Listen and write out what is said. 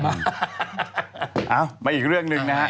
เอามาอีกเรื่องหนึ่งนะฮะ